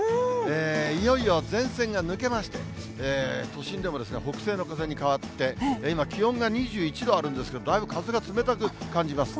いよいよ前線が抜けまして、都心でも北西の風に変わって、今、気温が２１度あるんですけど、だいぶ、風が冷たく感じます。